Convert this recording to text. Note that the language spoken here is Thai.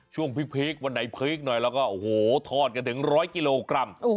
ช่วงพริกวันไหนพริกหน่อยแล้วก็ทอดกันถึง๑๐๐กิโลกรัม